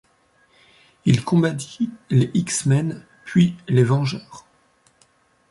Il combattit les X-Men, puis les Vengeurs.